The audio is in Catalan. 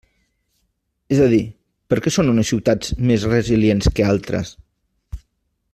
És a dir, ¿per què són unes ciutats més resilients que altres?